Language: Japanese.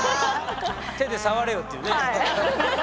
「手で触れよ」っていうね。